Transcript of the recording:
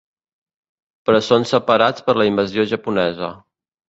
Però són separats per la invasió japonesa.